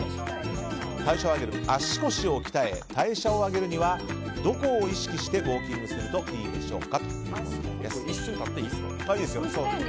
足腰を鍛え代謝を上げるにはどこを意識してウォーキングするといいでしょう。